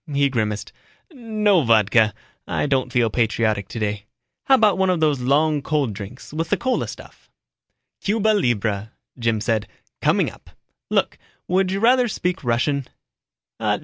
He grimaced, "No vodka, I don't feel patriotic today. How about one of those long cold drinks, with the cola stuff?" "Cuba libra," Jim said. "Coming up. Look, would you rather speak Russian?"